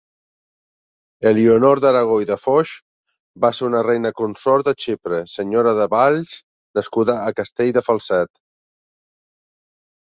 Elionor d'Aragó i de Foix va ser una reina consort de Xipre, senyora de Valls nascuda a Castell de Falset.